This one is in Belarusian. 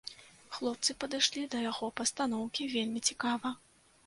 Хлопцы падышлі да яго пастаноўкі вельмі цікава.